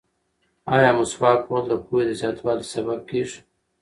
ایا مسواک وهل د پوهې د زیاتوالي سبب کیږي؟